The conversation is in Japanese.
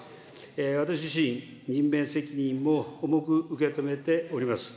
私自身、任命責任も重く受け止めております。